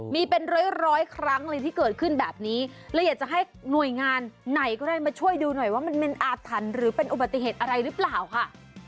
มีเป็นร้อยร้อยครั้งเลยที่เกิดขึ้นแบบนี้เลยอยากจะให้หน่วยงานไหนก็ได้มาช่วยดูหน่อยว่ามันเป็นอาถรรพ์หรือเป็นอุบัติเหตุอะไรหรือเปล่าค่ะ